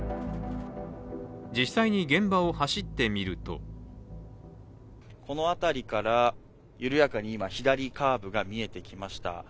実際に現場を走ってみるとこの辺りから、緩やかに今、左カーブが見えてきました。